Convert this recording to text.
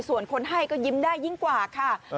ส่วนคนให้ก็ยิ้มได้ยิ่งกว่าค่ะ